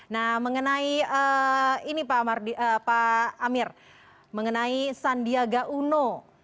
nah mengenai ini pak amir mengenai sandiaga uno